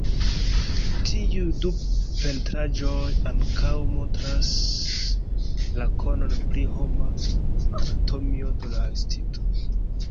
Tiuj du pentraĵoj ankaŭ montras la konon pri homa anatomio de la artisto.